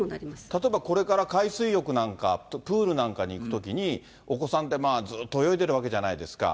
例えばこれから海水浴なんか、プールなんかに行くときに、お子さんってずっと泳いでるわけじゃないですか。